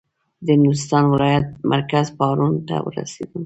د نورستان ولایت مرکز پارون ته ورسېدم.